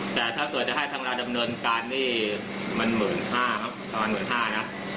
แต่ถ้าเกิดจะให้ทั้งราวดำเนินการหนี้มันหมื่นห้านะ